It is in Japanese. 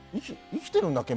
生きてるんだっけ？